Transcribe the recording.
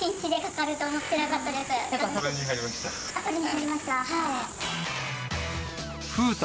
これに入りました。